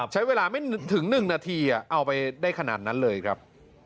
ใช้เวลาไม่ถึง๑นาทีเอาไปได้ขนาดนั้นเลยครับ